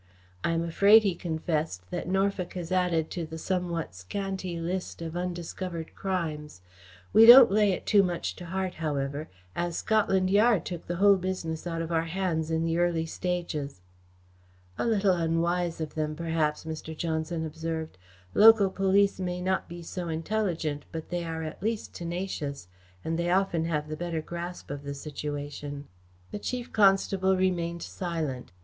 "I am afraid," he confessed, "that Norfolk has added to the somewhat scanty list of undiscovered crimes. We don't lay it too much to heart, however, as Scotland Yard took the whole business out of our hands in the early stages." "A little unwise of them, perhaps," Mr. Johnson observed. "Local police may not be so intelligent, but they are at least tenacious, and they often have the better grasp of the situation." The Chief Constable remained silent.